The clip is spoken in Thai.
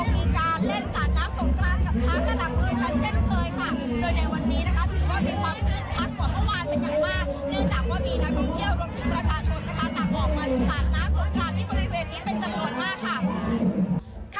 มีนักท่องเที่ยวรวมถึงประชาชนนะคะต่างออกมาจากน้ำทรงกลานที่บริเวณนี้เป็นจำนวนมากค่ะ